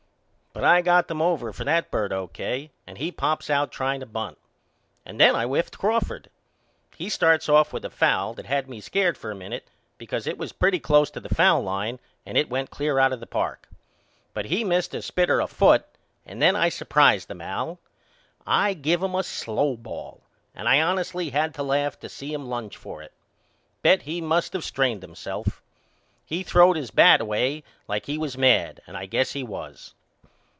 But I got them over for that bird all O.K. and he pops out trying to bunt. And then I whiffed Crawford. He starts off with a foul that had me scared for a minute because it was pretty close to the foul line and it went clear out of the park. But he missed a spitter a foot and then I supprised them Al. I give him a slow ball and I honestly had to laugh to see him lunge for it. bet he must of strained himself. He throwed his bat way like he was mad and I guess he was.